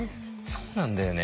そうなんだよね。